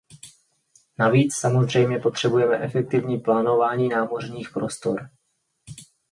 Navíc samozřejmě potřebujeme efektivní plánování námořních prostor.